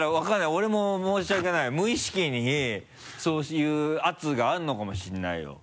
俺も申し訳ない無意識にそういう圧があるのかもしれないよ。